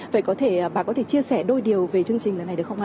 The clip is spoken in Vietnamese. vậy bà có thể chia sẻ đôi điều về chương trình lần này được không ạ